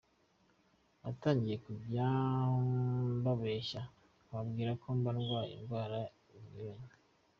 Natangiye kujya mbabeshya, nkababwira ko mba ndwaye indwara zinyuranye.